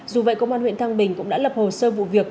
dù vậy công an huyện thăng bình cũng đã lập hồ sơ vụ việc